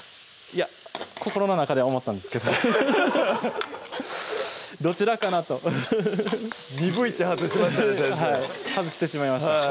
いや心の中では思ったんですけどどちらかなとフフフにぶいち外しましたね